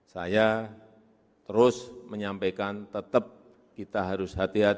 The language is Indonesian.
saya terus menyampaikan tetap kita harus mencari kemampuan